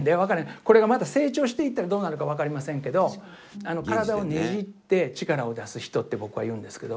これがまた成長していったらどうなるか分かりませんけどって僕は言うんですけど。